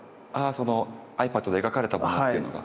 そのｉＰａｄで描かれたものっていうのが？